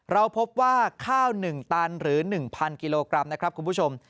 เราพบว่าข้าว๑ตันหรือ๑๐๐กิโลกรัมนะครับคุณผู้ชม